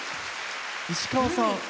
石川さん。